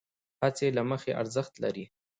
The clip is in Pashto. هڅې له مخې ارزښت لرې،